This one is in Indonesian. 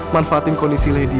manfaatin kondisi lady